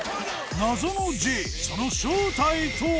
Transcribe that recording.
謎のＪその正体とは？